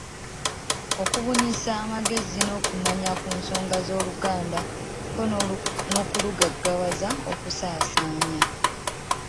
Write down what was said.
Okubunyisa amagezi n’okumanya ku nsonga z’Oluganda ko n’okulugaggawaza Okusaasaanya